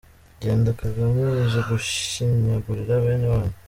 Genda Kagame uzi gushinyagurira bene wanyu….